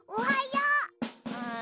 うん。